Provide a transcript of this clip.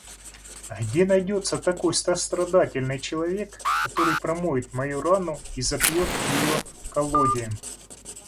Где найдется такой сострадательный человек, который промоет мою рану и запьет ее коллодием!?